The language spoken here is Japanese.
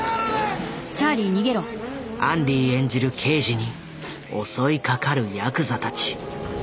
アンディ演じる刑事に襲いかかるやくざたち。